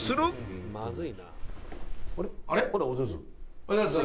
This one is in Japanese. おはようございます。